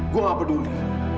gue gak peduli